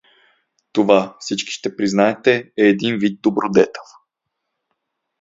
Това, всички ще признаете, е един вид добродетел.